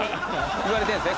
言われてるんですね